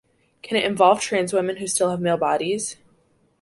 Can it involve trans women who still have male bodies?